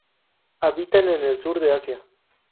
Habitan en el sur de Asia.